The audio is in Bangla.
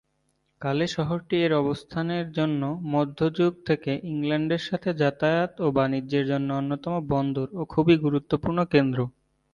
কালে শহরটি এর অবস্থানের জন্য মধ্যযুগ থেকে ইংল্যান্ডের সাথে যাতায়াত ও বাণিজ্যের জন্য অন্যতম বন্দর ও খুবই গুরুত্বপূর্ণ কেন্দ্র।